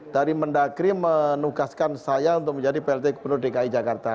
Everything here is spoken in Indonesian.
dari mendagri menugaskan saya untuk menjadi plt gubernur dki jakarta